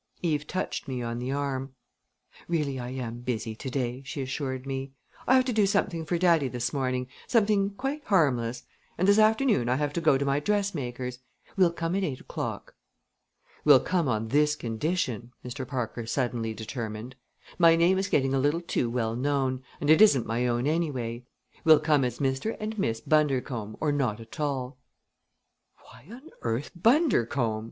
Eve touched me on the arm. "Really, I am busy to day," she assured me. "I have to do something for daddy this morning something quite harmless; and this afternoon I have to go to my dressmaker's. We'll come at eight o'clock." "We'll come on this condition," Mr. Parker suddenly determined: "My name is getting a little too well known, and it isn't my own, anyway. We'll come as Mr. and Miss Bundercombe or not at all." "Why on earth Bundercombe?"